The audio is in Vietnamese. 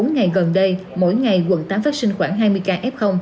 bốn ngày gần đây mỗi ngày quận tám phát sinh khoảng hai mươi ca f